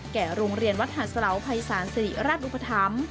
แก่โรงเรียนวัดหันศาลภัยศาลศิริราชอุปธรรม